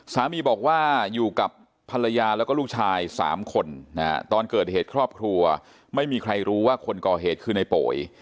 สามีบอกว่าอยู่กับภรรยาแล้วก็ลูกชาย๓คนตอนเกิดเหตุครอบครัวไม่มีใครรู้ว่าคนก่อเหตุคือในโป๋ย